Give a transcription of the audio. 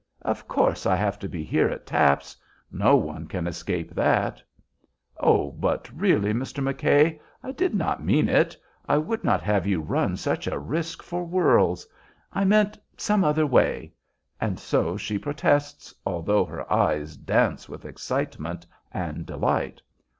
Of course I have to be here at 'taps.' No one can escape that." "Oh, but really, Mr. McKay, I did not mean it! I would not have you run such a risk for worlds! I meant some other way." And so she protests, although her eyes dance with excitement and delight.